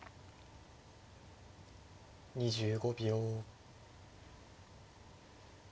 ２５秒。